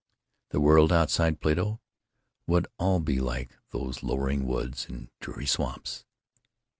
The world outside Plato would all be like these lowering woods and dreary swamps.